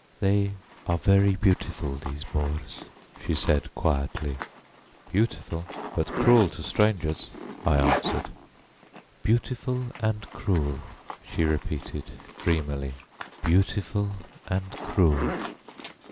"They are very beautiful these moors," she said quietly. "Beautiful, but cruel to strangers," I answered. "Beautiful and cruel," she repeated dreamily, "beautiful and cruel."